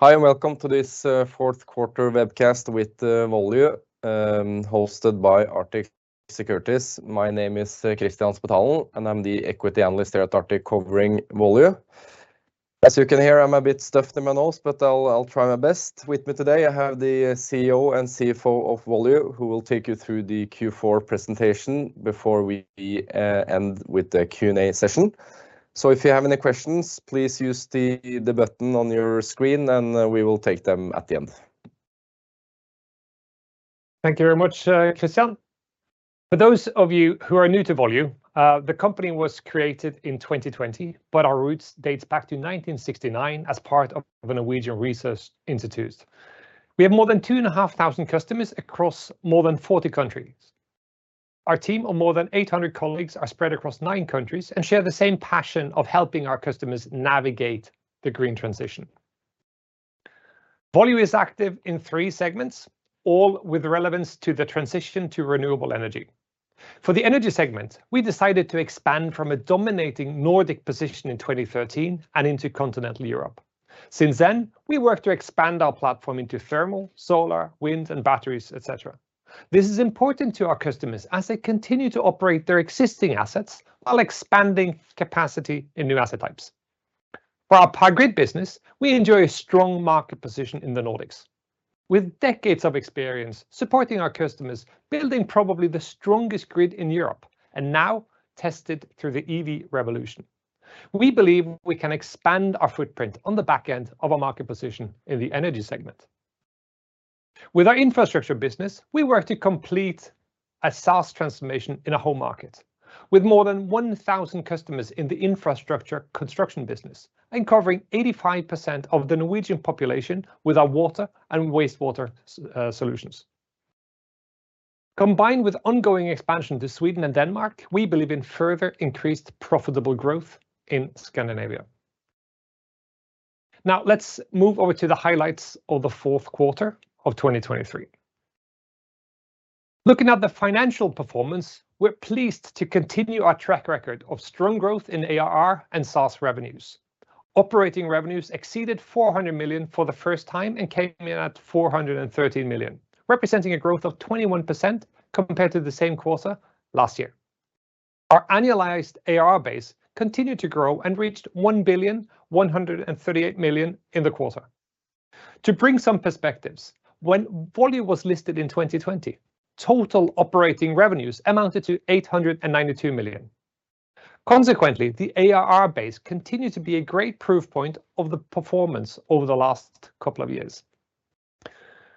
Hi and welcome to this Fourth Quarter Webcast with Volue, hosted by Arctic Securities. My name is Kristian Spetalen, and I'm the equity analyst here at Arctic covering Volue. As you can hear, I'm a bit stuffed in my nose, but I'll try my best. With me today, I have the CEO and CFO of Volue, who will take you through the Q4 presentation before we end with the Q&A session. If you have any questions, please use the button on your screen and we will take them at the end. Thank you very much, Kristian. For those of you who are new to Volue, the company was created in 2020, but our roots date back to 1969 as part of the Norwegian Research Institutes. We have more than 2,500 customers across more than 40 countries. Our team of more than 800 colleagues are spread across nine countries and share the same passion of helping our customers navigate the green transition. Volue is active in three segments, all with relevance to the transition to renewable energy. For the Energy segment, we decided to expand from a dominating Nordic position in 2013 and into continental Europe. Since then, we work to expand our platform into thermal, solar, wind, and batteries, etc. This is important to our customers as they continue to operate their existing assets while expanding capacity in new asset types. For our Power Grid business, we enjoy a strong market position in the Nordics. With decades of experience supporting our customers, building probably the strongest grid in Europe, and now tested through the EV revolution, we believe we can expand our footprint on the back end of our market position in the Energy segment. With our Infrastructure business, we work to complete a SaaS transformation in a whole market, with more than 1,000 customers in the infrastructure construction business and covering 85% of the Norwegian population with our water and wastewater solutions. Combined with ongoing expansion to Sweden and Denmark, we believe in further increased profitable growth in Scandinavia. Now, let's move over to the highlights of the fourth quarter of 2023. Looking at the financial performance, we're pleased to continue our track record of strong growth in ARR and SaaS revenues. Operating revenues exceeded 400 million for the first time and came in at 413 million, representing a growth of 21% compared to the same quarter last year. Our annualized ARR base continued to grow and reached 1,138 million in the quarter. To bring some perspectives, when Volue was listed in 2020, total operating revenues amounted to 892 million. Consequently, the ARR base continued to be a great proof point of the performance over the last couple of years.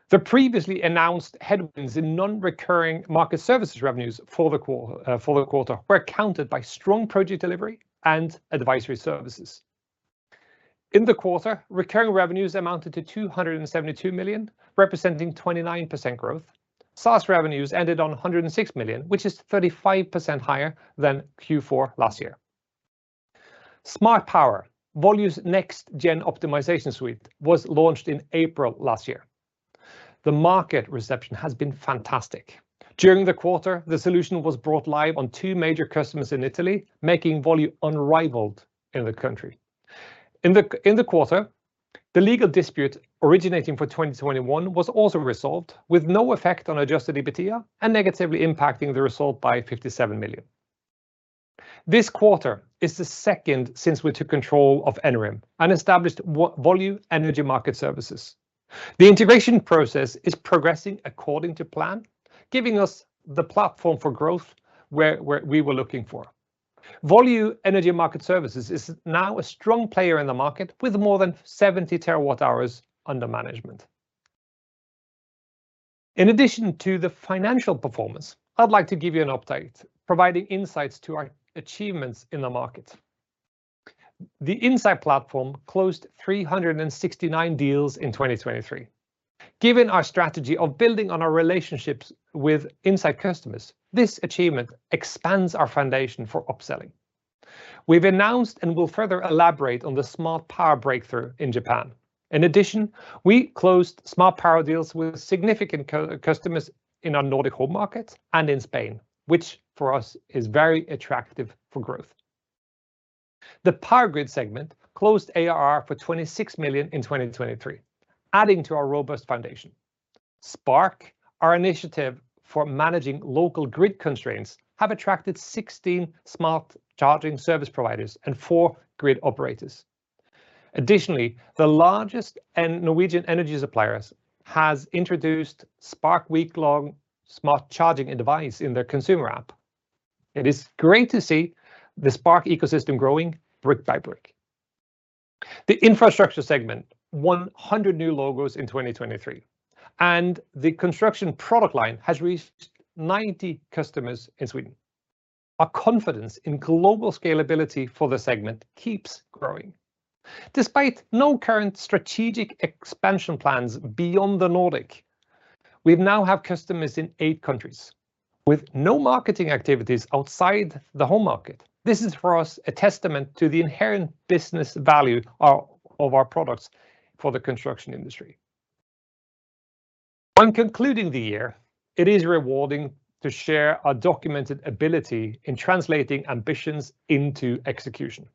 The previously announced headwinds in non-recurring market services revenues for the quarter were accounted by strong project delivery and advisory services. In the quarter, recurring revenues amounted to 272 million, representing 29% growth. SaaS revenues ended on 106 million, which is 35% higher than Q4 last year. Smart Power, Volue's next-gen optimization suite, was launched in April last year. The market reception has been fantastic. During the quarter, the solution was brought live on two major customers in Italy, making Volue unrivaled in the country. In the quarter, the legal dispute originating for 2021 was also resolved, with no effect on Adjusted EBITDA and negatively impacting the result by 57 million. This quarter is the second since we took control of Enerim and established Volue Energy Market Services. The integration process is progressing according to plan, giving us the platform for growth we were looking for. Volue Energy Market Services is now a strong player in the market with more than 70 TWh under management. In addition to the financial performance, I'd like to give you an update providing insights to our achievements in the market. The Insight platform closed 369 deals in 2023. Given our strategy of building on our relationships with Insight customers, this achievement expands our foundation for upselling. We've announced and will further elaborate on the Smart Power breakthrough in Japan. In addition, we closed Smart Power deals with significant customers in our Nordic home market and in Spain, which for us is very attractive for growth. The Power Grid segment closed ARR for 26 million in 2023, adding to our robust foundation. SPARK, our initiative for managing local grid constraints, has attracted 16 smart charging service providers and 4 grid operators. Additionally, the largest Norwegian energy supplier has introduced SPARK Weeklong Smart Charging Device in their consumer app. It is great to see the SPARK ecosystem growing brick by brick. The Infrastructure segment won 100 new logos in 2023, and the construction product line has reached 90 customers in Sweden. Our confidence in global scalability for the segment keeps growing. Despite no current strategic expansion plans beyond the Nordic, we now have customers in eight countries, with no marketing activities outside the home market. This is for us a testament to the inherent business value of our products for the construction industry. On concluding the year, it is rewarding to share our documented ability in translating ambitions into execution.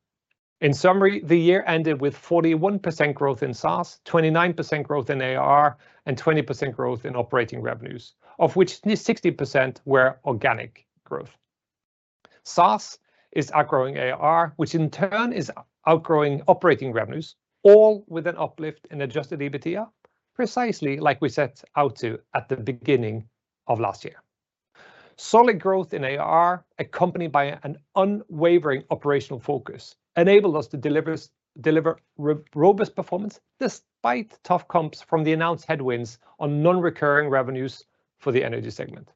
In summary, the year ended with 41% growth in SaaS, 29% growth in ARR, and 20% growth in operating revenues, of which 60% were organic growth. SaaS is outgrowing ARR, which in turn is outgrowing operating revenues, all with an uplift in Adjusted EBITDA, precisely like we set out to at the beginning of last year. Solid growth in ARR, accompanied by an unwavering operational focus, enabled us to deliver robust performance despite tough comps from the announced headwinds on non-recurring revenues for the Energy segment.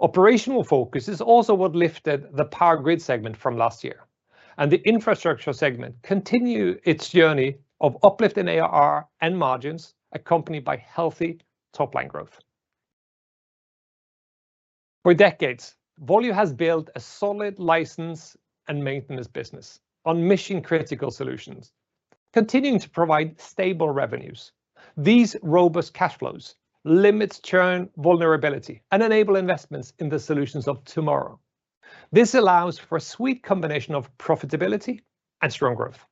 Operational focus is also what lifted the Power Grid segment from last year, and the Infrastructure segment continues its journey of uplift in ARR and margins, accompanied by healthy top-line growth. For decades, Volue has built a solid license and maintenance business on mission-critical solutions, continuing to provide stable revenues. These robust cash flows limit churn vulnerability and enable investments in the solutions of tomorrow. This allows for a sweet combination of profitability and strong growth.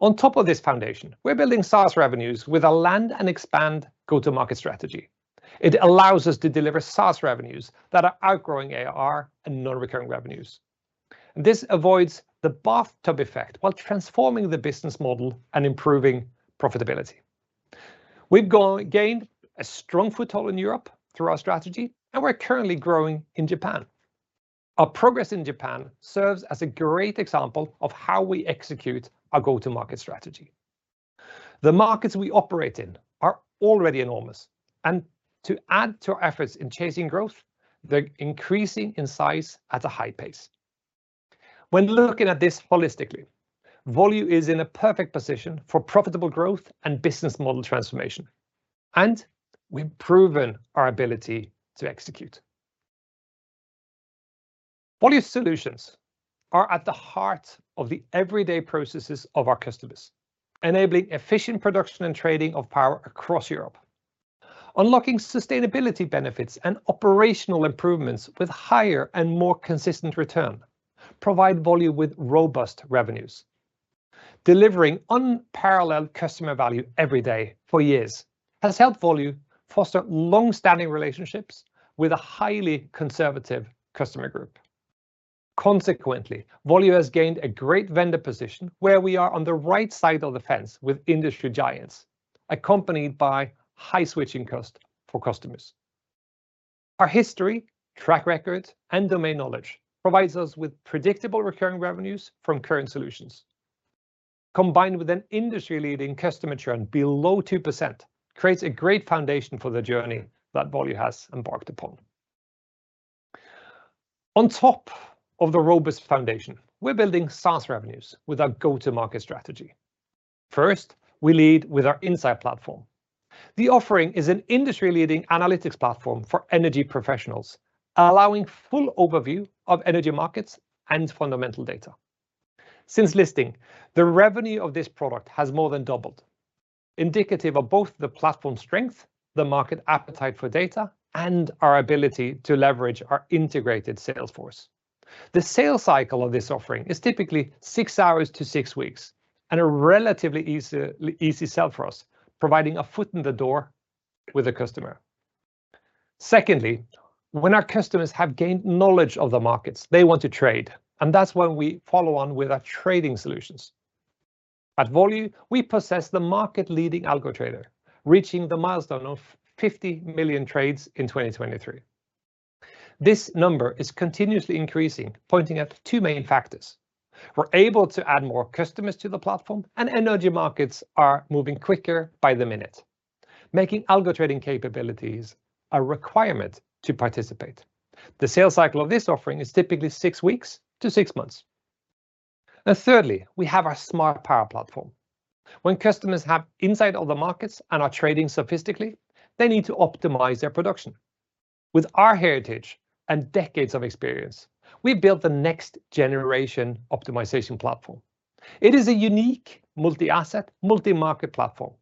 On top of this foundation, we're building SaaS revenues with a land-and-expand go-to-market strategy. It allows us to deliver SaaS revenues that are outgrowing ARR and non-recurring revenues. This avoids the bathtub effect while transforming the business model and improving profitability. We've gained a strong foothold in Europe through our strategy, and we're currently growing in Japan. Our progress in Japan serves as a great example of how we execute our go-to-market strategy. The markets we operate in are already enormous, and to add to our efforts in chasing growth, they're increasing in size at a high pace. When looking at this holistically, Volue is in a perfect position for profitable growth and business model transformation, and we've proven our ability to execute. Volue's solutions are at the heart of the everyday processes of our customers, enabling efficient production and trading of power across Europe. Unlocking sustainability benefits and operational improvements with higher and more consistent returns provide Volue with robust revenues. Delivering unparalleled customer value every day for years has helped Volue foster longstanding relationships with a highly conservative customer group. Consequently, Volue has gained a great vendor position where we are on the right side of the fence with industry giants, accompanied by high switching costs for customers. Our history, track record, and domain knowledge provide us with predictable recurring revenues from current solutions. Combined with an industry-leading customer churn below 2% creates a great foundation for the journey that Volue has embarked upon. On top of the robust foundation, we're building SaaS revenues with our go-to-market strategy. First, we lead with our Insight platform. The offering is an industry-leading analytics platform for energy professionals, allowing full overview of energy markets and fundamental data. Since listing, the revenue of this product has more than doubled, indicative of both the platform strength, the market appetite for data, and our ability to leverage our integrated sales force. The sales cycle of this offering is typically six hours to six weeks and a relatively easy sell for us, providing a foot in the door with a customer. Secondly, when our customers have gained knowledge of the markets, they want to trade, and that's when we follow on with our trading solutions. At Volue, we possess the market-leading Algo Trader, reaching the milestone of 50 million trades in 2023. This number is continuously increasing, pointing at two main factors. We're able to add more customers to the platform, and energy markets are moving quicker by the minute, making algo trading capabilities a requirement to participate. The sales cycle of this offering is typically six weeks to six months. Thirdly, we have our Smart Power platform. When customers have insight of the markets and are trading sophisticately, they need to optimize their production. With our heritage and decades of experience, we built the next-generation optimization platform. It is a unique multi-asset, multi-market platform,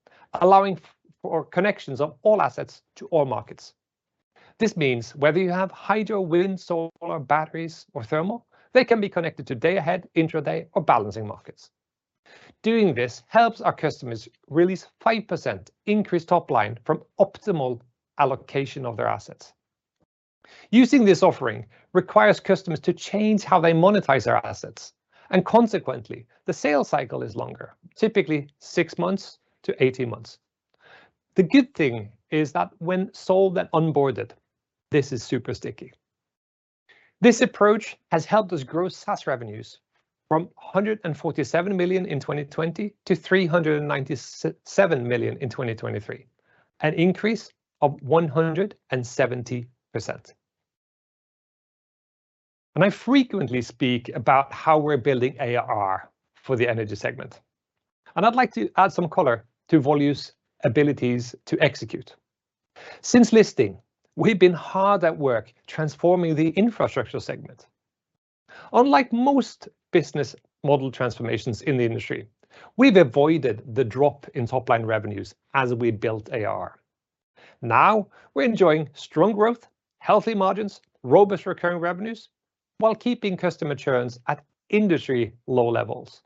allowing for connections of all assets to all markets. This means whether you have hydro, wind, solar, batteries, or thermal, they can be connected to day-ahead, intraday, or balancing markets. Doing this helps our customers release a 5% increased top-line from optimal allocation of their assets. Using this offering requires customers to change how they monetize their assets, and consequently, the sales cycle is longer, typically six months to 18 months. The good thing is that when sold and onboarded, this is super sticky. This approach has helped us grow SaaS revenues from 147 million in 2020 to 397 million in 2023, an increase of 170%. And I frequently speak about how we're building ARR for the Energy segment, and I'd like to add some color to Volue's abilities to execute. Since listing, we've been hard at work transforming the Infrastructure segment. Unlike most business model transformations in the industry, we've avoided the drop in top-line revenues as we built ARR. Now, we're enjoying strong growth, healthy margins, robust recurring revenues, while keeping customer churns at industry-low levels.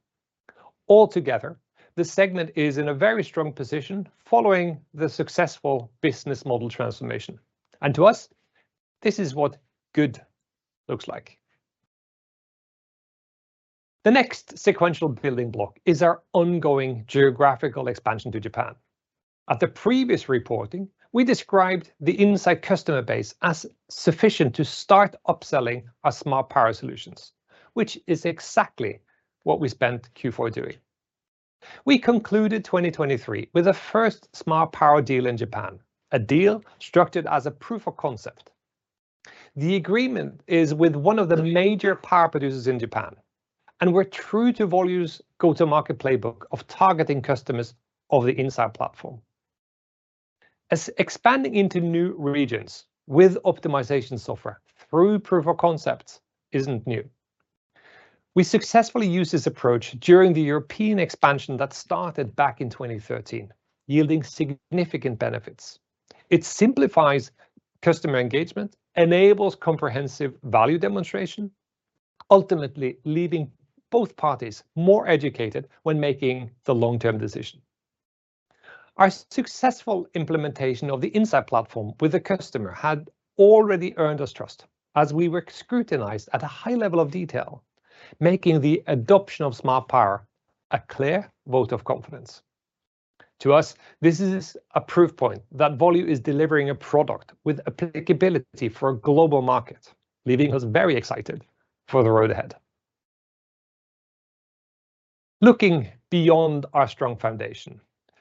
Altogether, the segment is in a very strong position following the successful business model transformation, and to us, this is what good looks like. The next sequential building block is our ongoing geographical expansion to Japan. At the previous reporting, we described the Insight customer base as sufficient to start upselling our Smart Power solutions, which is exactly what we spent Q4 doing. We concluded 2023 with the first Smart Power deal in Japan, a deal structured as a proof of concept. The agreement is with one of the major power producers in Japan, and we're true to Volue's go-to-market playbook of targeting customers of the Insight platform. Expanding into new regions with optimization software through proof of concepts isn't new. We successfully used this approach during the European expansion that started back in 2013, yielding significant benefits. It simplifies customer engagement, enables comprehensive value demonstration, ultimately leaving both parties more educated when making the long-term decision. Our successful implementation of the Insight platform with a customer had already earned us trust as we were scrutinized at a high level of detail, making the adoption of Smart Power a clear vote of confidence. To us, this is a proof point that Volue is delivering a product with applicability for a global market, leaving us very excited for the road ahead. Looking beyond our strong foundation,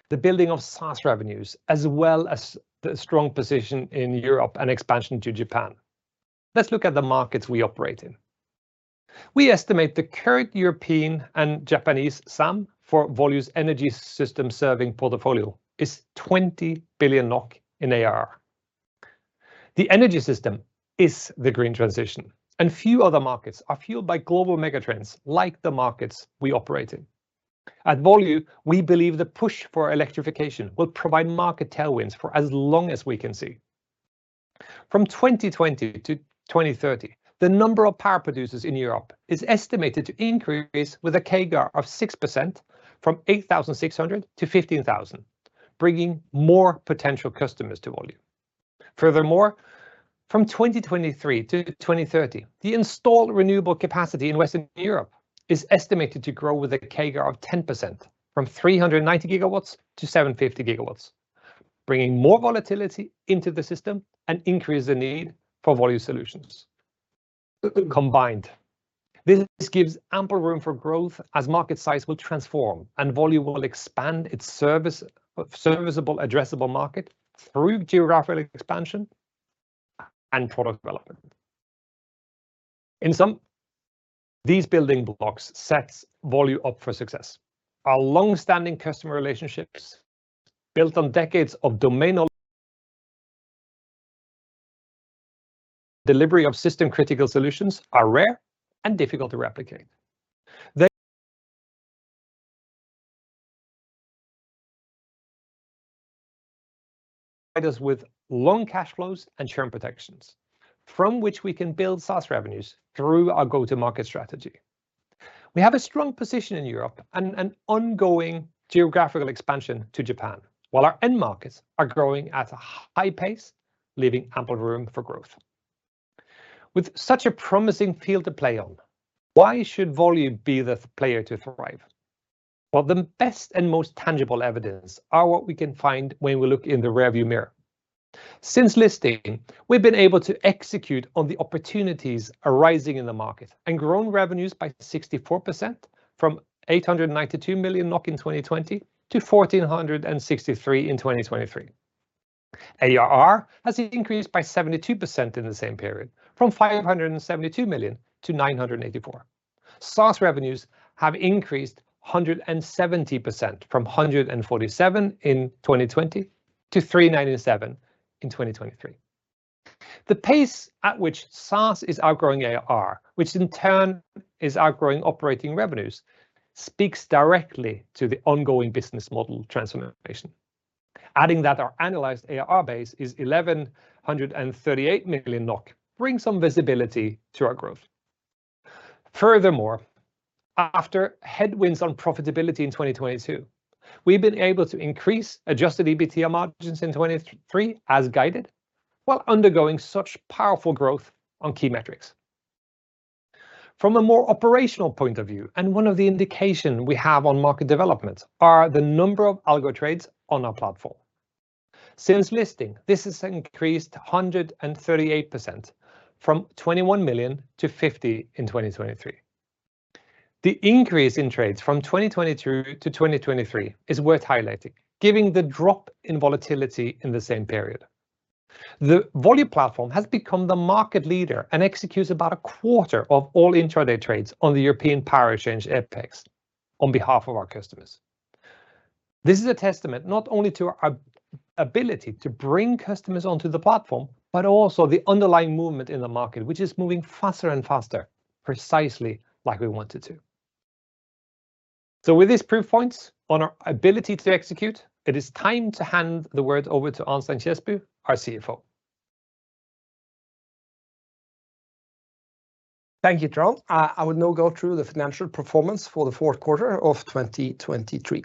the building of SaaS revenues, as well as the strong position in Europe and expansion to Japan, let's look at the markets we operate in. We estimate the current European and Japanese SAM for Volue's energy system serving portfolio is 20 billion NOK in ARR. The energy system is the green transition, and few other markets are fueled by global megatrends like the markets we operate in. At Volue, we believe the push for electrification will provide market tailwinds for as long as we can see. From 2020 to 2030, the number of power producers in Europe is estimated to increase with a CAGR of 6% from 8,600-15,000, bringing more potential customers to Volue. Furthermore, from 2023 to 2030, the installed renewable capacity in Western Europe is estimated to grow with a CAGR of 10% from 390 GW-750 GW, bringing more volatility into the system and increasing the need for Volue solutions. Combined, this gives ample room for growth as market size will transform and Volue will expand its serviceable, addressable market through geographical expansion and product development. In sum, these building blocks set Volue up for success. Our longstanding customer relationships, built on decades of domain knowledge, delivery of system-critical solutions are rare and difficult to replicate. They provide us with long cash flows and churn protections, from which we can build SaaS revenues through our go-to-market strategy. We have a strong position in Europe and an ongoing geographical expansion to Japan, while our end markets are growing at a high pace, leaving ample room for growth. With such a promising field to play on, why should Volue be the player to thrive? Well, the best and most tangible evidence is what we can find when we look in the rearview mirror. Since listing, we've been able to execute on the opportunities arising in the market and grown revenues by 64% from 892 million NOK in 2020 to 1,463 million in 2023. ARR has increased by 72% in the same period, from 572 million to 984 million. SaaS revenues have increased 170% from 147 million in 2020 to 397 million in 2023. The pace at which SaaS is outgrowing ARR, which in turn is outgrowing operating revenues, speaks directly to the ongoing business model transformation. Adding that our Annualized ARR base is 1,138 million NOK brings some visibility to our growth. Furthermore, after headwinds on profitability in 2022, we've been able to increase Adjusted EBITDA margins in 2023 as guided while undergoing such powerful growth on key metrics. From a more operational point of view, one of the indications we have on market development is the number of algo trades on our platform. Since listing, this has increased 138% from 21 million to 50 million in 2023. The increase in trades from 2022 to 2023 is worth highlighting, given the drop in volatility in the same period. The Volue platform has become the market leader and executes about a quarter of all intraday trades on the European Power Exchange EPEX on behalf of our customers. This is a testament not only to our ability to bring customers onto the platform but also to the underlying movement in the market, which is moving faster and faster, precisely like we want it to. So with these proof points on our ability to execute, it is time to hand the word over to Arnstein Kjesbu, our CFO. Thank you, Trond. I will now go through the financial performance for the fourth quarter of 2023.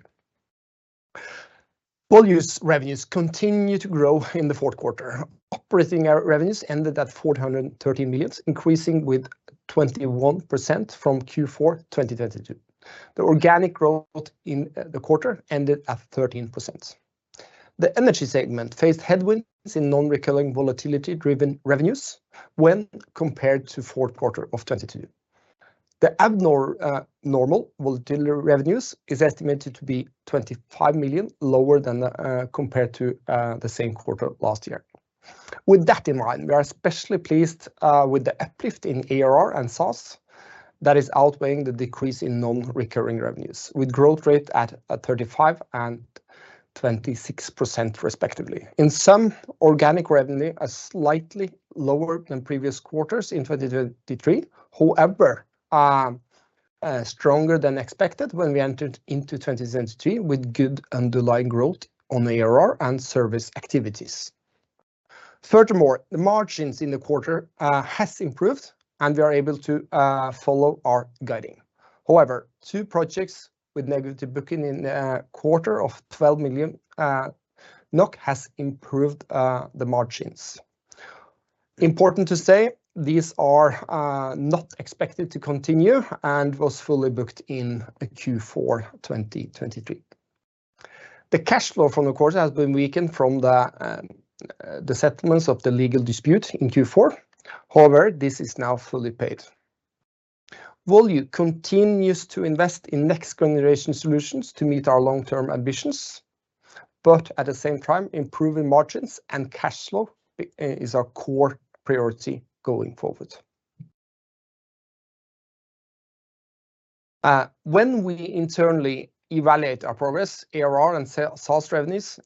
Volue's revenues continue to grow in the fourth quarter. Operating revenues ended at 413 million, increasing with 21% from Q4 2022. The organic growth in the quarter ended at 13%. The Energy segment faced headwinds in non-recurring volatility-driven revenues when compared to the fourth quarter of 2022. The abnormal volatility revenues are estimated to be 25 million lower than compared to the same quarter last year. With that in mind, we are especially pleased with the uplift in ARR and SaaS that is outweighing the decrease in non-recurring revenues, with growth rates at 35% and 26%, respectively. In sum, organic revenue is slightly lower than previous quarters in 2023, however, stronger than expected when we entered into 2023 with good underlying growth on ARR and service activities. Furthermore, the margins in the quarter have improved, and we are able to follow our guidance. However, two projects with negative bookings in the quarter of 12 million have improved the margins. Important to say, these are not expected to continue and were fully booked in Q4 2023. The cash flow from the quarter has been weakened from the settlements of the legal dispute in Q4. However, this is now fully paid. Volue continues to invest in next-generation solutions to meet our long-term ambitions, but at the same time, improving margins and cash flow is our core priority going forward. When we internally evaluate our progress, ARR and SaaS revenues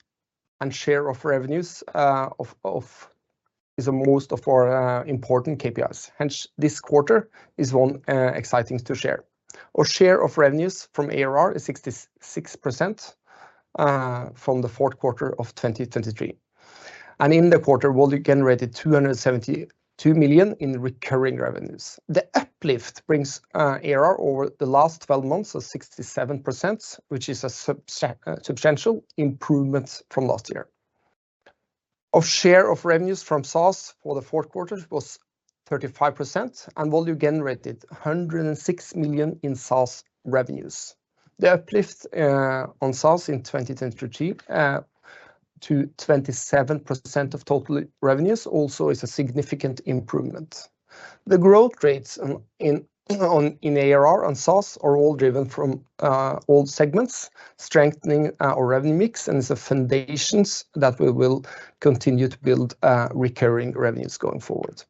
and share of revenues are most of our important KPIs. Hence, this quarter is one exciting to share. Our share of revenues from ARR is 66% from the fourth quarter of 2023. In the quarter, Volue generated 272 million in recurring revenues. The uplift brings ARR over the last 12 months to 67%, which is a substantial improvement from last year. Our share of revenues from SaaS for the fourth quarter was 35%, and Volue generated 106 million in SaaS revenues. The uplift on SaaS in 2023 to 27% of total revenues also is a significant improvement. The growth rates in ARR and SaaS are all driven from all segments, strengthening our revenue mix, and is a foundation that we will continue to build recurring revenues going forward.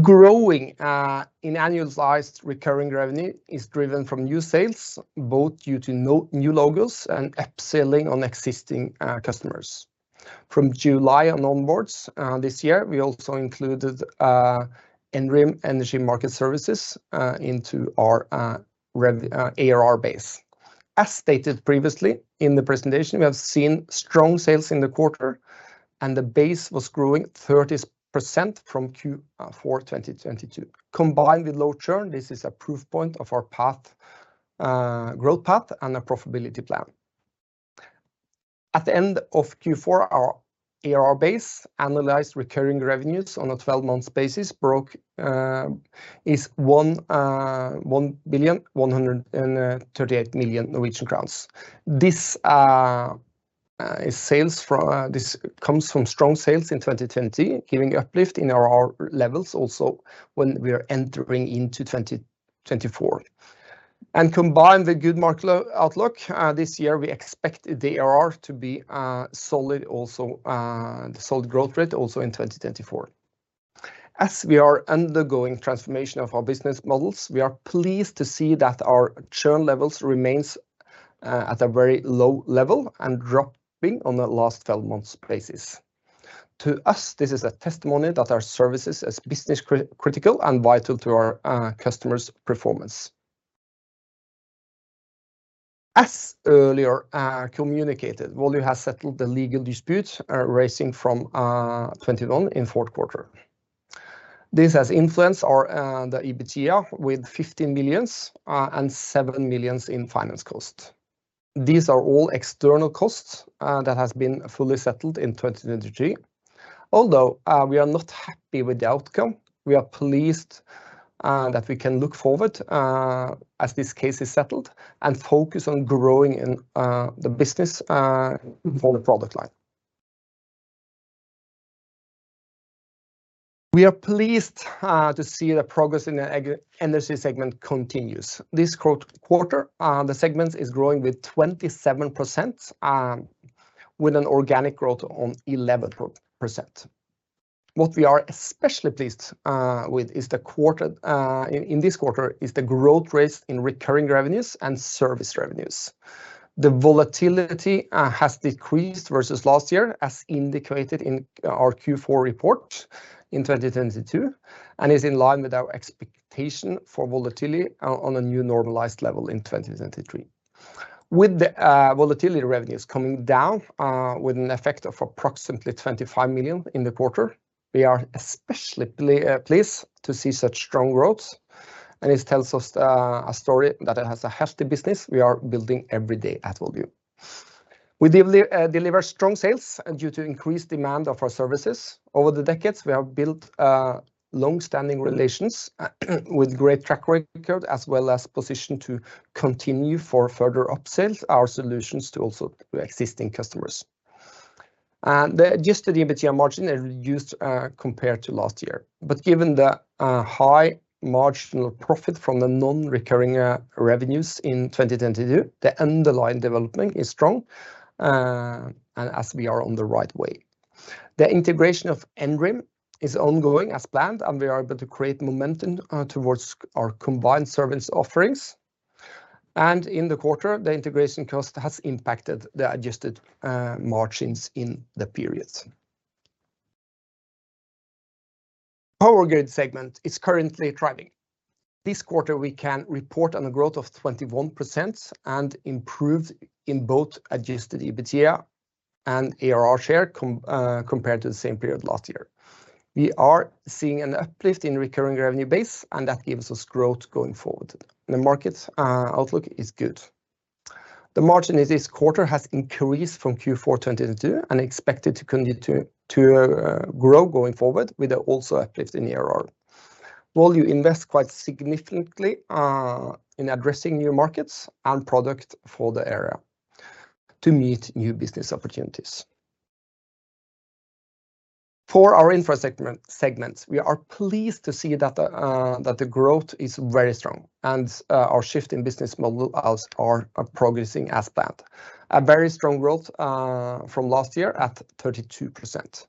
Growing in annualized recurring revenue is driven from new sales, both due to new logos and upselling on existing customers. From July onwards this year, we also included Enerim Energy Market Services into our ARR base. As stated previously in the presentation, we have seen strong sales in the quarter, and the base was growing 30% from Q4 2022. Combined with low churn, this is a proof point of our growth path and our profitability plan. At the end of Q4, our ARR base annualized recurring revenues on a 12-month basis is NOK 1,138 million. This comes from strong sales in 2020, giving uplift in our levels also when we are entering into 2024. Combined with good market outlook, this year, we expect the ARR to be solid growth rate also in 2024. As we are undergoing transformation of our business models, we are pleased to see that our churn levels remain at a very low level and dropping on a last 12-month basis. To us, this is a testimony that our services are business-critical and vital to our customers' performance. As earlier communicated, Volue has settled the legal dispute arising from 2021 in the fourth quarter. This has influenced the EBITDA with 15 million and 7 million in finance costs. These are all external costs that have been fully settled in 2023. Although we are not happy with the outcome, we are pleased that we can look forward as this case is settled and focus on growing the business for the product line. We are pleased to see the progress in the Energy segment continues. This quarter, the segment is growing with 27% with an organic growth on 11%. What we are especially pleased with in this quarter is the growth rates in recurring revenues and service revenues. The volatility has decreased versus last year, as indicated in our Q4 report in 2022, and is in line with our expectation for volatility on a new normalized level in 2023. With the volatility revenues coming down with an effect of approximately 25 million in the quarter, we are especially pleased to see such strong growth, and this tells us a story that it has a healthy business we are building every day at Volue. We deliver strong sales due to increased demand of our services. Over the decades, we have built longstanding relations with a great track record as well as a position to continue for further upsales of our solutions to also existing customers. Just the EBITDA margin is reduced compared to last year. But given the high marginal profit from the non-recurring revenues in 2022, the underlying development is strong, and as we are on the right way. The integration of Enerim is ongoing as planned, and we are able to create momentum towards our combined service offerings. In the quarter, the integration cost has impacted the adjusted margins in the periods. Power Grid segment is currently thriving. This quarter, we can report on a growth of 21% and improved in both Adjusted EBITDA and ARR share compared to the same period last year. We are seeing an uplift in recurring revenue base, and that gives us growth going forward. The market outlook is good. The margin in this quarter has increased from Q4 2022 and is expected to grow going forward with also an uplift in ARR. Volue invests quite significantly in addressing new markets and products for the area to meet new business opportunities. For our Infra segments, we are pleased to see that the growth is very strong, and our shift in business models is progressing as planned. A very strong growth from last year at 32%.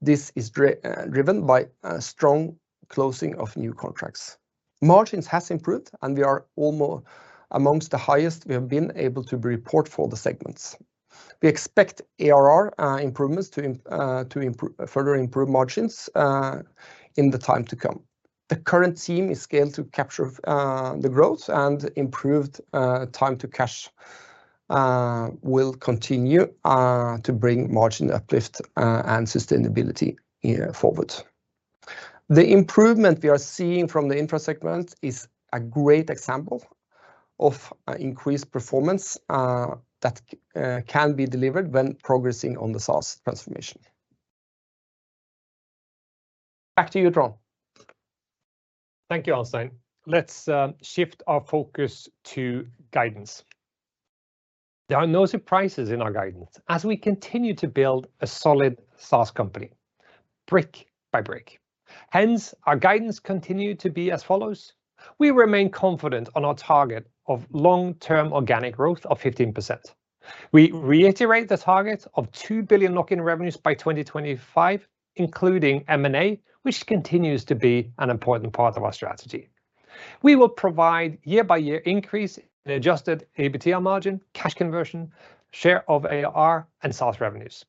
This is driven by a strong closing of new contracts. Margins have improved, and we are almost amongst the highest we have been able to report for the segments. We expect ARR improvements to further improve margins in the time to come. The current team is scaled to capture the growth, and improved time-to-cash will continue to bring margin uplift and sustainability forward. The improvement we are seeing from the infra segment is a great example of increased performance that can be delivered when progressing on the SaaS transformation. Back to you, Trond. Thank you, Arnstein. Let's shift our focus to guidance. There are no surprises in our guidance as we continue to build a solid SaaS company, brick by brick. Hence, our guidance continues to be as follows: We remain confident on our target of long-term organic growth of 15%. We reiterate the target of 2 billion in revenues by 2025, including M&A, which continues to be an important part of our strategy. We will provide year-by-year increase in Adjusted EBITDA margin, cash conversion, share of ARR, and SaaS revenues.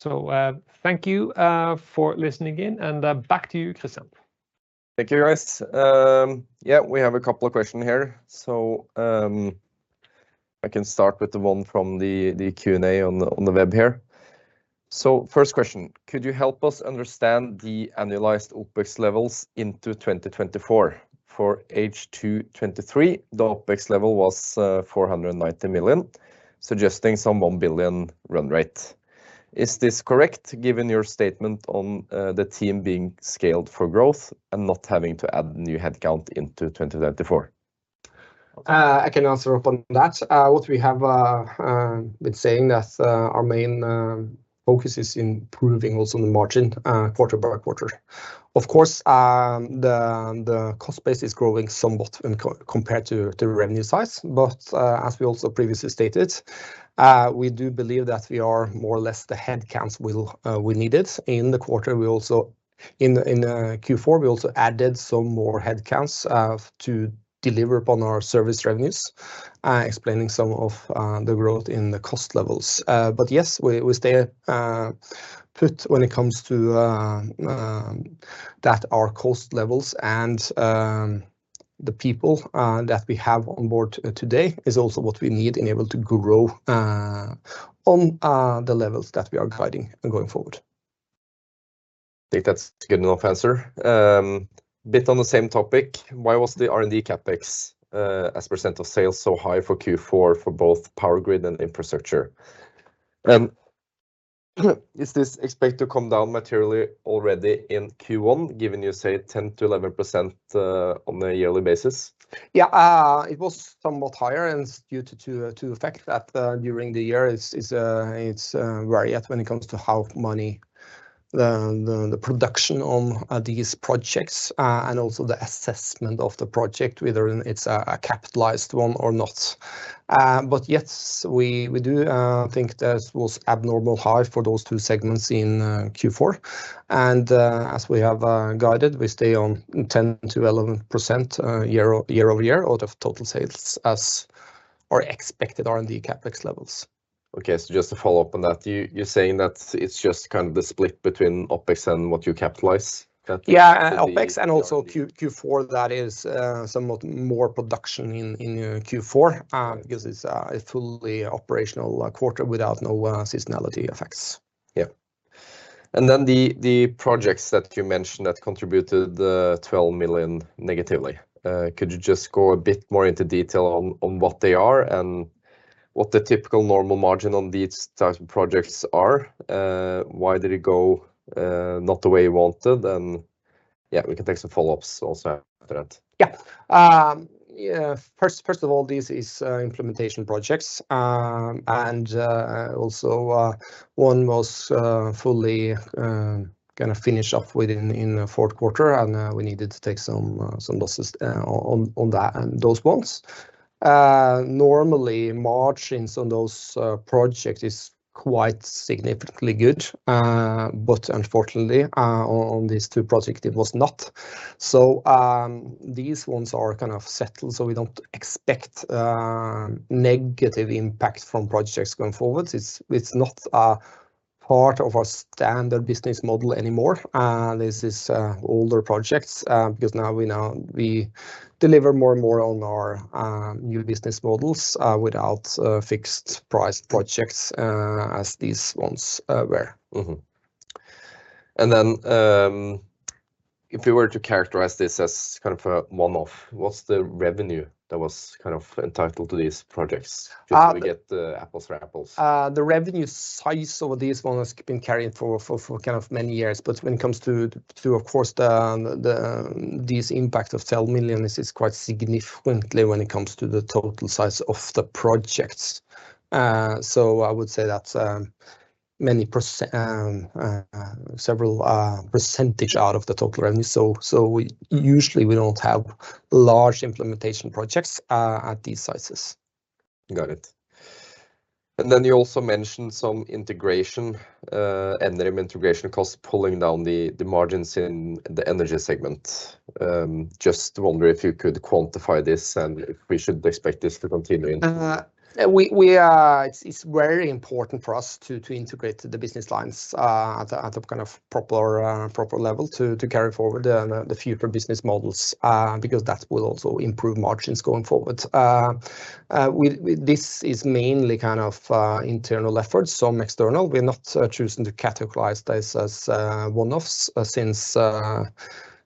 So thank you for listening in, and back to you, Kristian. Thank you, guys. Yeah, we have a couple of questions here. So I can start with the one from the Q&A on the web here. So first question: Could you help us understand the annualized OpEx levels into 2024? For H2 2023, the OpEx level was 490 million, suggesting some 1 billion run rate. Is this correct given your statement on the team being scaled for growth and not having to add new headcount into 2024? I can answer upon that. What we have been saying is that our main focus is improving also the margin quarter by quarter. Of course, the cost base is growing somewhat compared to the revenue size. But as we also previously stated, we do believe that we are more or less the headcounts we needed in the quarter. In Q4, we also added some more headcounts to deliver upon our service revenues, explaining some of the growth in the cost levels. But yes, we stay put when it comes to that our cost levels and the people that we have on board today is also what we need in order to grow on the levels that we are guiding going forward. I think that's a good enough answer. A bit on the same topic: Why was the R&D CapEx as % of sales so high for Q4 for both Power Grid and Infrastructure? Is this expected to come down materially already in Q1 given you say 10%-11% on a yearly basis? Yeah, it was somewhat higher due to two effects that during the year is varied when it comes to how much money the production on these projects and also the assessment of the project, whether it's a capitalized one or not. But yes, we do think that was abnormally high for those two segments in Q4. As we have guided, we stay on 10%-11% year-over-year out of total sales as our expected R&D CapEx levels. Okay. So just to follow up on that, you're saying that it's just kind of the split between OpEx and what you capitalize? Yeah, OpEx and also Q4 that is somewhat more production in Q4 because it's a fully operational quarter with no seasonality effects. Yeah. And then the projects that you mentioned that contributed 12 million negatively. Could you just go a bit more into detail on what they are and what the typical normal margin on these types of projects are? Why did it go not the way you wanted? And yeah, we can take some follow-ups also after that. Yeah. First of all, this is implementation projects. And also one was fully kind of finished up within the fourth quarter, and we needed to take some losses on those ones. Normally, margins on those projects are quite significantly good. But unfortunately, on these two projects, it was not. So these ones are kind of settled, so we don't expect negative impact from projects going forward. It's not part of our standard business model anymore. This is older projects because now we deliver more and more on our new business models without fixed-price projects as these ones were. And then if we were to characterize this as kind of a one-off, what's the revenue that was kind of entitled to these projects? Just so we get apples-to-apples. The revenue size of these ones has been carrying for kind of many years. But when it comes to, of course, these impacts of 12 million, it's quite significant when it comes to the total size of the projects. So I would say that's several percentage out of the total revenue. So usually, we don't have large implementation projects at these sizes. Got it. And then you also mentioned some integration, Enerim integration costs, pulling down the margins in the Energy segment. Just wondering if you could quantify this and if we should expect this to continue in? It's very important for us to integrate the business lines at a kind of proper level to carry forward the future business models because that will also improve margins going forward. This is mainly kind of internal efforts, some external. We're not choosing to categorize this as one-offs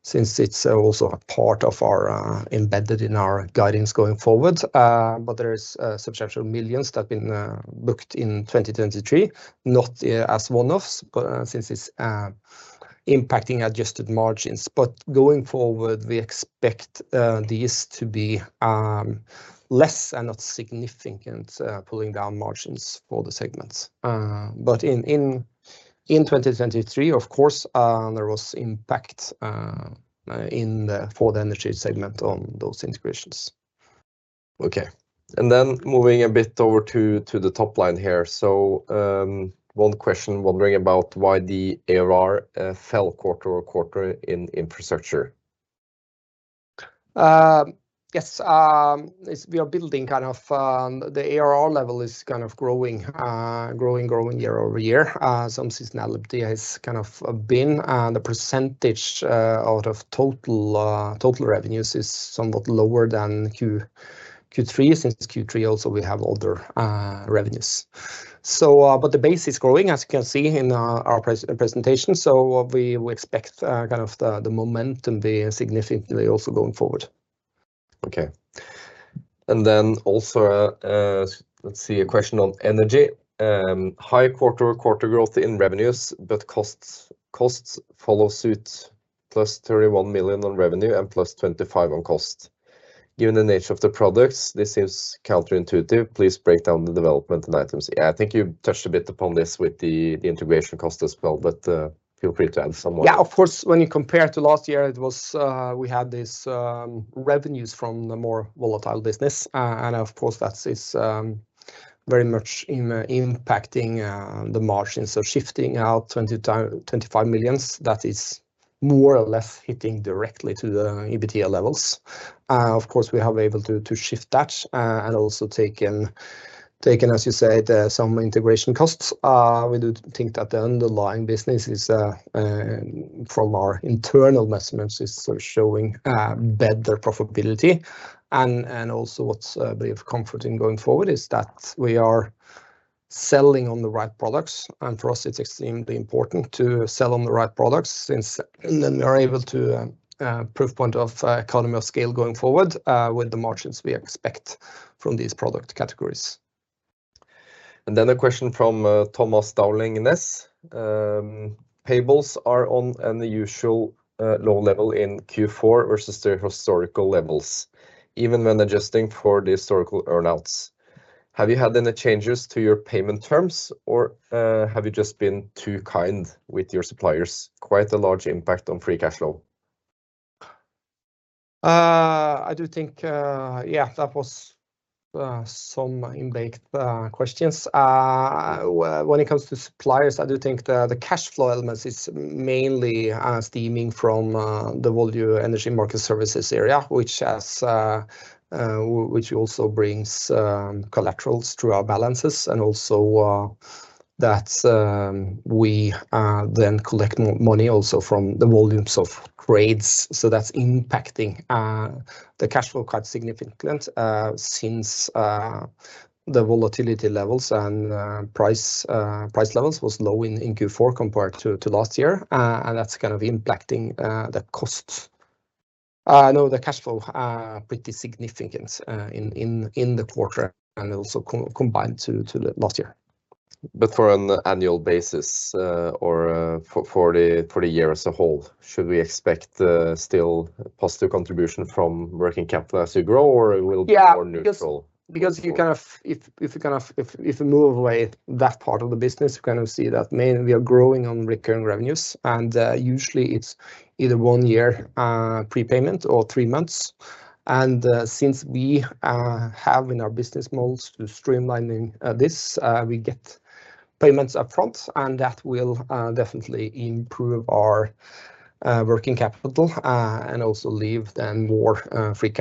since it's also a part embedded in our guidance going forward. But there are substantial millions that have been booked in 2023, not as one-offs since it's impacting adjusted margins. But going forward, we expect these to be less and not significant pulling down margins for the segments. But in 2023, of course, there was impact for the Energy segment on those integrations. Okay. And then moving a bit over to the top line here. So one question, wondering about why the ARR fell quarter-over-quarter in infrastructure. Yes. We are building kind of the ARR level is kind of growing, growing, growing year-over-year. Some seasonality has kind of been. The percentage out of total revenues is somewhat lower than Q3 since Q3, also, we have older revenues. But the base is growing, as you can see in our presentation. So we expect kind of the momentum to be significantly also going forward. Okay. And then also, let's see, a question on energy. High quarter-over-quarter growth in revenues, but costs follow suit: plus 31 million on revenue and plus 25 million on costs. Given the nature of the products, this seems counterintuitive. Please break down the development and items. I think you touched a bit upon this with the integration costs as well, but feel free to add somewhere. Yeah, of course. When you compare to last year, we had these revenues from the more volatile business. And of course, that is very much impacting the margins. So shifting out 25 million, that is more or less hitting directly to the EBITDA levels. Of course, we have been able to shift that and also taken, as you said, some integration costs. We do think that the underlying business is from our internal measurements is showing better profitability. And also what's a bit of comforting going forward is that we are selling on the right products. And for us, it's extremely important to sell on the right products since then we are able to prove a point of economy of scale going forward with the margins we expect from these product categories. Then a question from Thomas Dowling Næss: Payables are on an unusual low level in Q4 versus their historical levels, even when adjusting for the historical earnouts. Have you had any changes to your payment terms, or have you just been too kind with your suppliers? Quite a large impact on free cash flow. I do think, yeah, that was some in-depth questions. When it comes to suppliers, I do think the cash flow element is mainly stemming from the Volume Energy Market Services area, which also brings collaterals through our balances. Also that we then collect more money also from the volumes of trades. So that's impacting the cash flow quite significant since the volatility levels and price levels were low in Q4 compared to last year. That's kind of impacting the costs. No, the cash flow is pretty significant in the quarter and also combined to last year. But for an annual basis or for the year as a whole, should we expect still positive contribution from working capital as you grow, or it will be more neutral? Yes. Because if you kind of move away that part of the business, you kind of see that we are growing on recurring revenues. And usually, it's either one-year prepayment or three months. And since we have in our business models to streamline this, we get payments upfront. And that will definitely improve our working capital and also leave then more free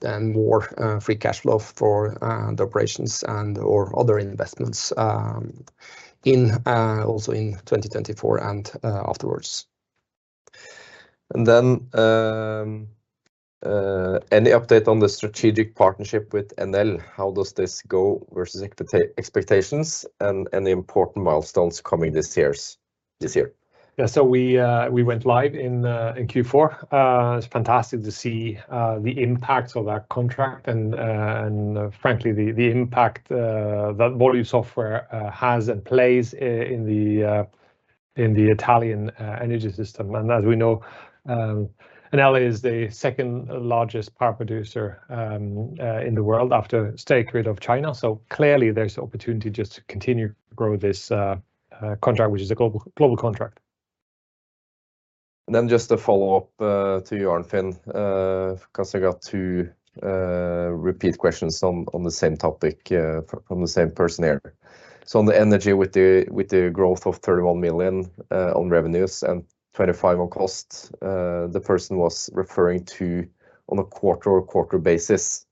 cash flow. Then more free cash flow for the operations and/or other investments also in 2024 and afterwards. And then any update on the strategic partnership with Enel? How does this go versus expectations and any important milestones coming this year? Yeah. So we went live in Q4. It's fantastic to see the impact of that contract and frankly, the impact that Volue software has and plays in the Italian energy system. And as we know, Enel is the second-largest power producer in the world after State Grid of China. So clearly, there's opportunity just to continue to grow this contract, which is a global contract. And then just a follow-up to you, Arnstein, because I got two repeat questions on the same topic from the same person here. So on the energy with the growth of 31 million on revenues and 25 million on costs, the person was referring to on a quarter-over-quarter basis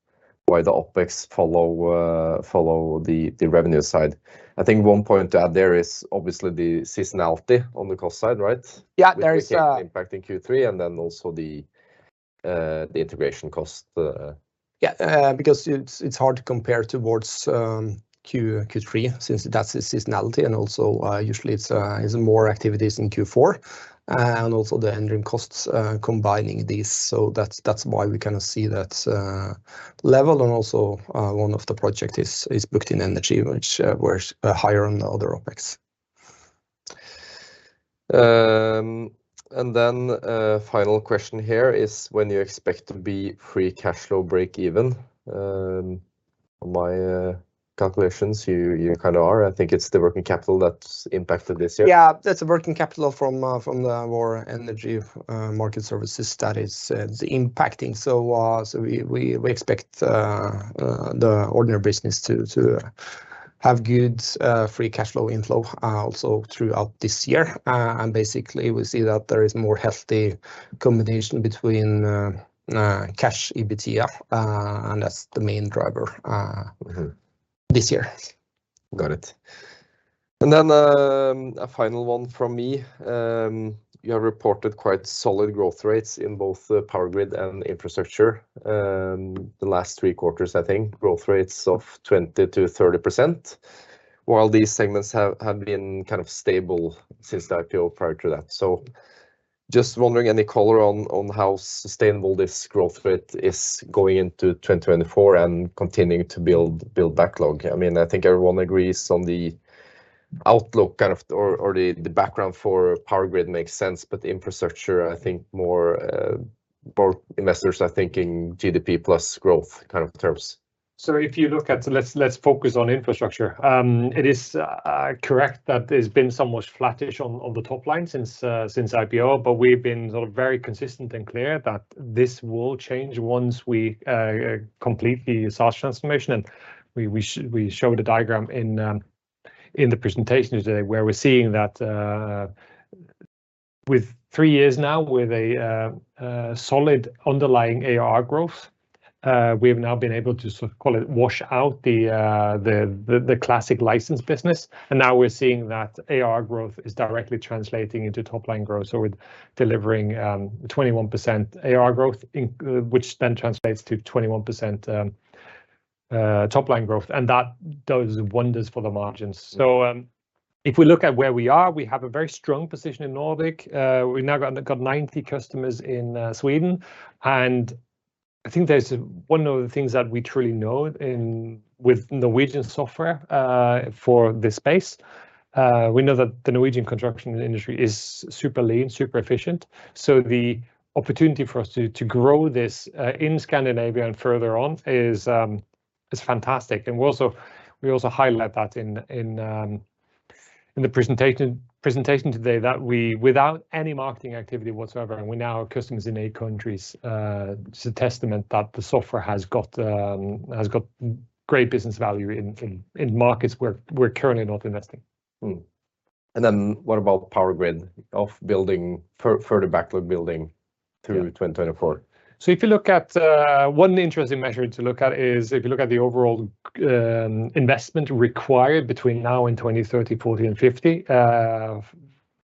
why the OpEx follow the revenue side. I think one point to add there is obviously the seasonality on the cost side, right? Yeah. There is a big impact in Q3 and then also the integration cost. Yeah. Because it's hard to compare towards Q3 since that's the seasonality. And also usually, it's more activities in Q4 and also the Enerim costs combining these. So that's why we kind of see that level. And also one of the projects is booked in energy, which were higher on the other OpEx. And then final question here is when you expect to be free cash flow break-even. On my calculations, you kind of are. I think it's the working capital that's impacted this year. Yeah. That's the working capital from our energy market services that is impacting. So we expect the ordinary business to have good free cash flow inflow also throughout this year. And basically, we see that there is more healthy combination between cash EBITDA, and that's the main driver this year. Got it. And then a final one from me. You have reported quite solid growth rates in both Power Grid and infrastructure the last three quarters, I think, growth rates of 20%-30% while these segments have been kind of stable since the IPO prior to that. So just wondering any color on how sustainable this growth rate is going into 2024 and continuing to build backlog? I mean, I think everyone agrees on the outlook kind of or the background for Power Grid makes sense. But infrastructure, I think more investors, I think, in GDP-plus growth kind of terms. So if you look at, let's focus on infrastructure. It is correct that it's been somewhat flattish on the top line since IPO, but we've been sort of very consistent and clear that this will change once we complete the SaaS transformation. We showed a diagram in the presentation today where we're seeing that with three years now with a solid underlying ARR growth, we have now been able to sort of call it wash out the classic license business. Now we're seeing that ARR growth is directly translating into top-line growth. So we're delivering 21% ARR growth, which then translates to 21% top-line growth. And that does wonders for the margins. So if we look at where we are, we have a very strong position in Nordic. We've now got 90 customers in Sweden. And I think there's one of the things that we truly know with Norwegian software for this space. We know that the Norwegian construction industry is super lean, super efficient. So the opportunity for us to grow this in Scandinavia and further on is fantastic. We also highlight that in the presentation today that we, without any marketing activity whatsoever, and we now have customers in 8 countries, is a testament that the software has got great business value in markets we're currently not investing. And then what about Power Grid, further backlog building through 2024? So if you look at one interesting measure to look at is if you look at the overall investment required between now and 2030, 2040, and 2050,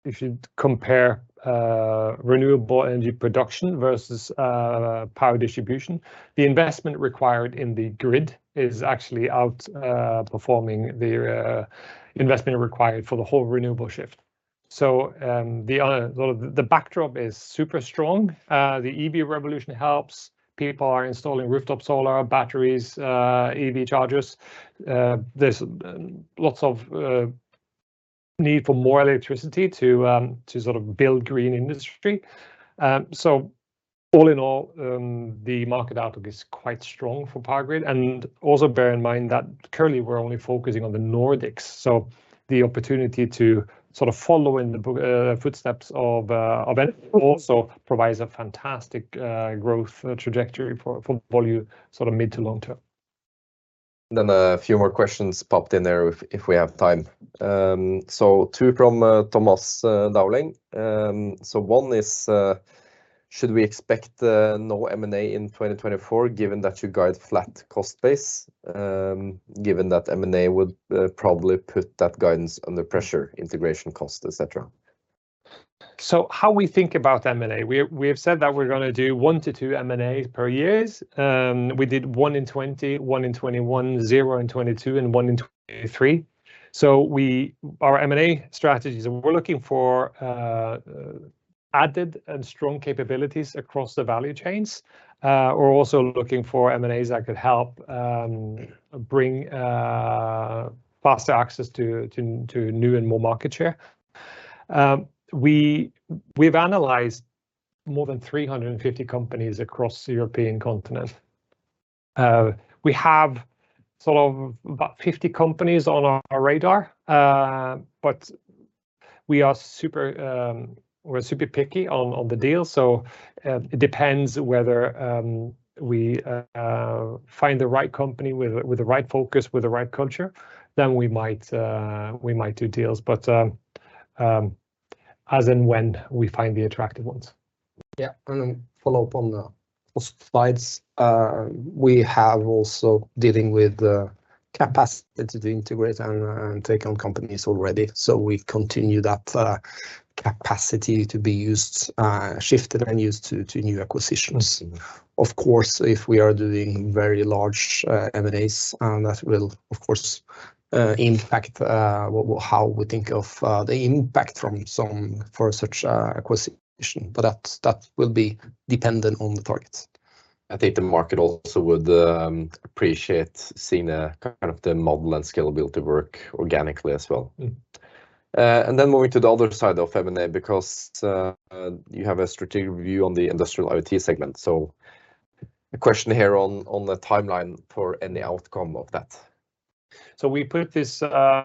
if you compare renewable energy production versus power distribution, the investment required in the grid is actually outperforming the investment required for the whole renewable shift. So sort of the backdrop is super strong. The EV revolution helps. People are installing rooftop solar, batteries, EV chargers. There's lots of need for more electricity to sort of build green industry. So all in all, the market outlook is quite strong for Power Grid. And also bear in mind that currently, we're only focusing on the Nordics. So the opportunity to sort of follow in the footsteps of also provides a fantastic growth trajectory for Volue sort of mid- to long-term. Then a few more questions popped in there if we have time. So two from Thomas Dowling. So one is: Should we expect no M&A in 2024 given that you guide flat cost base, given that M&A would probably put that guidance under pressure, integration costs, etc.? So how we think about M&A. We have said that we're going to do one to two M&As per year. We did one in 2020, one in 2021, zero in 2022, and one in 2023. So our M&A strategies, we're looking for added and strong capabilities across the value chains. We're also looking for M&As that could help bring faster access to new and more market share. We've analyzed more than 350 companies across the European continent. We have sort of about 50 companies on our radar, but we are super picky on the deals. So it depends whether we find the right company with the right focus, with the right culture, then we might do deals. But as in when we find the attractive ones. Yeah. And then follow up on the slides. We have also been dealing with the capacity to integrate and take on companies already. So we continue that capacity to be shifted and used to new acquisitions. Of course, if we are doing very large M&As, that will, of course, impact how we think of the impact for such an acquisition. But that will be dependent on the targets. I think the market also would appreciate seeing kind of the model and scalability work organically as well. And then moving to the other side of M&A because you have a strategic review on the Industrial IoT segment. So a question here on the timeline for any outcome of that. So we put this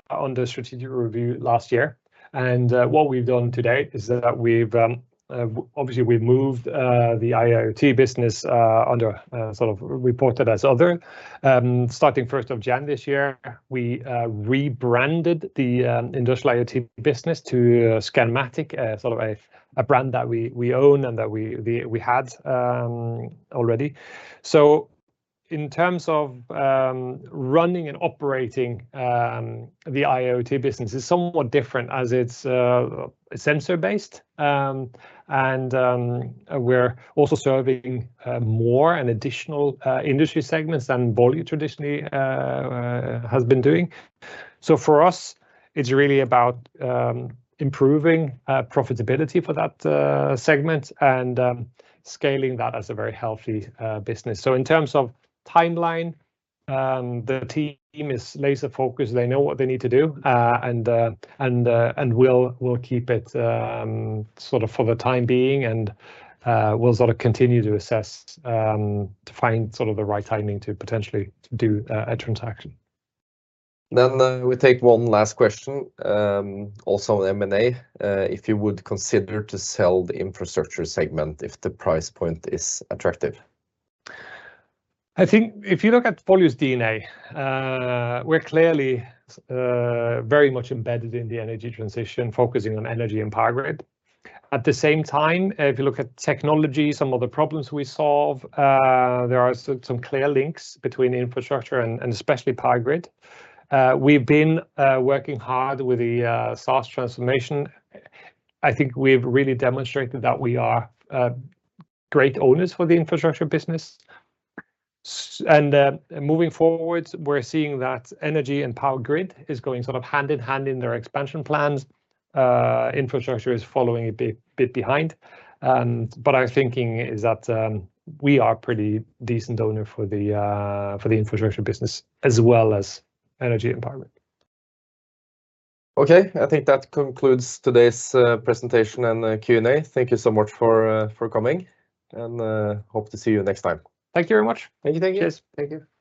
under strategic review last year. And what we've done today is that obviously, we've moved the IoT business under sort of reported as other. Starting 1st of January this year, we rebranded the Industrial IoT business to Scanmatic, sort of a brand that we own and that we had already. So in terms of running and operating, the IoT business is somewhat different as it's sensor-based. And we're also serving more and additional industry segments than Volue traditionally has been doing. So for us, it's really about improving profitability for that segment and scaling that as a very healthy business. So in terms of timeline, the team is laser-focused. They know what they need to do. And we'll keep it sort of for the time being. And we'll sort of continue to assess to find sort of the right timing to potentially do a transaction. Then we take one last question, also M&A. If you would consider to sell the Infrastructure segment if the price point is attractive. I think if you look at Volue's DNA, we're clearly very much embedded in the energy transition, focusing on energy and power grid. At the same time, if you look at technology, some of the problems we solve, there are some clear links between infrastructure and especially power grid. We've been working hard with the SaaS transformation. I think we've really demonstrated that we are great owners for the infrastructure business. Moving forward, we're seeing that energy and power grid is going sort of hand in hand in their expansion plans. Infrastructure is following a bit behind. But our thinking is that we are a pretty decent owner for the infrastructure business as well as energy and power grid. Okay. I think that concludes today's presentation and Q&A. Thank you so much for coming. And hope to see you next time. Thank you very much. Thank you. Thank you. Cheers. Thank you.